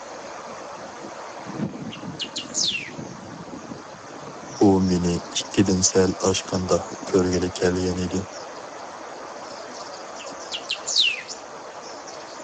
ئۇ مېنى ئىككىدىن سەل ئاشقاندا كۆرگىلى كەلگەن ئىدى!